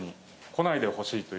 来ないでほしいと。